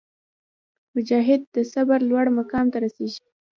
مجاهد د صبر لوړ مقام ته رسېږي.